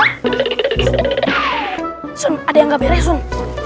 asun ada yang nggak beres asun